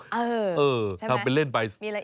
เออใช่ไหมมีอะไรอีกทำเป็นเล่นไป